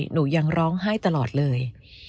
หนูยังร้องไห้ตลอดเลย